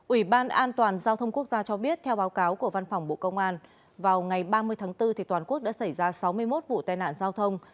ủy ban an toàn giao thông quốc gia cho biết theo báo cáo của văn phòng bộ công an vào ngày ba mươi tháng bốn toàn quốc đã xảy ra sáu mươi một vụ tai nạn giao thông